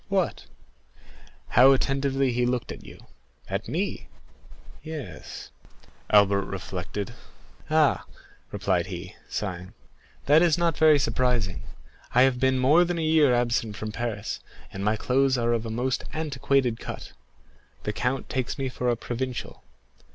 "What?" "How attentively he looked at you." "At me?" "Yes." Albert reflected. "Ah," replied he, sighing, "that is not very surprising; I have been more than a year absent from Paris, and my clothes are of a most antiquated cut; the count takes me for a provincial.